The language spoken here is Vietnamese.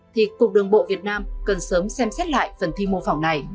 thì cục đường bộ việt nam cần sớm xem xét lại phần thi mô phỏng này